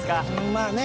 まあね